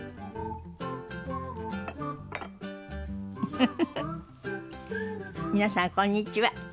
フフフフ皆さんこんにちは。